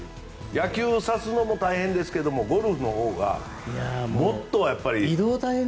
野球させるのも大変ですがゴルフのほうがもっと、やっぱり。